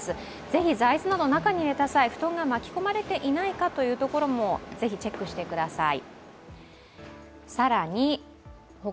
ぜひ座椅子など中に入れた際、布団が巻き込まれていないかというところもぜひ、チェックしてください。